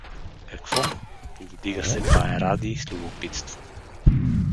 — Какво? — повдига се бае Ради с любопитство.